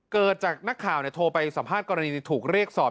เกิดจากนักข่าวโทรไปสัมภาษณ์กรณีถูกเรียกสอบ